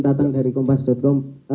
datang dari kompas com